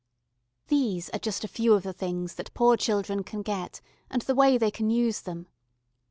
] These are just a few of the things that poor children can get and the way they can use them.